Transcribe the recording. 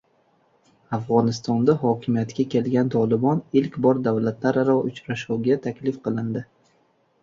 Afg‘onistonda hokimiyatga kelgan “Tolibon” ilk bor davlatlararo uchrashuvga taklif qilindi